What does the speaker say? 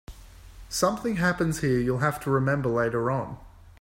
Something happens here you'll have to remember later on.